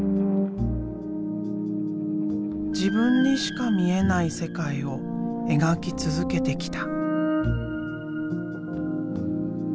自分にしか見えない世界を描き続けてきた。